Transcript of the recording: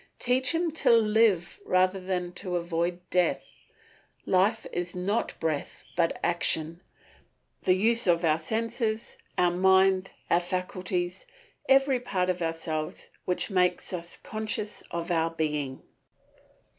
Teach him to live rather than to avoid death: life is not breath, but action, the use of our senses, our mind, our faculties, every part of ourselves which makes us conscious of our being.